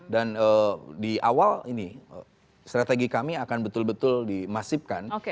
dan di awal ini strategi kami akan betul betul dimasipkan